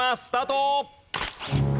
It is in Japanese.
スタート！＃